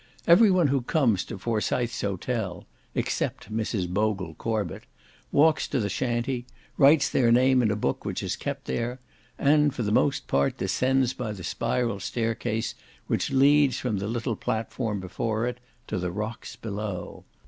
Every one who comes to Forsythe's Hotel (except Mrs. Bogle Corbet), walks to the shantee, writes their name in a book which is kept there, and, for the most part, descends by the spiral staircase which leads from the little platform before it, to the rocks below.